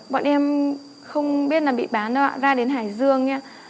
bọn em không biết là bị bán đâu ạ ra đến hải dương